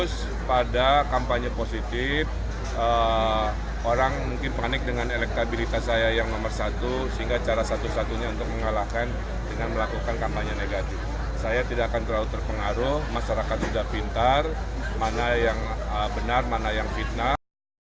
saya tidak akan terlalu terpengaruh masyarakat sudah pintar mana yang benar mana yang fitnah